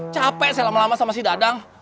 capek saya lama lama sama si dadang